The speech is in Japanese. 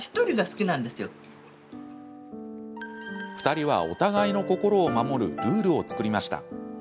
２人は、お互いの心を守るルールを作りました。